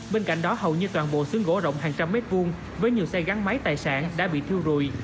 bên cạnh đó hầu như toàn bộ sườn gỗ rộng hàng trăm mét vuông với nhiều xe gắn máy tài sản đã bị thiêu rùi